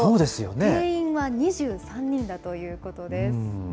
定員は２３人だということです。